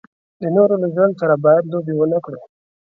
د نورو له ژوند سره باید لوبې و نه کړو.